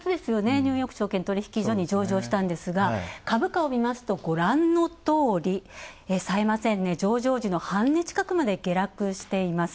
ニューヨーク証券取引所に上場したんですが株価を見ますと、ご覧のとおりさえませんね、上場時の半値近くまで下落しています。